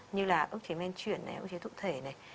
như là ước chế men chuyển ước chế thụ thể